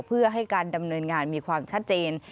เพื่อให้การดำเนินงานมีความชัดเจน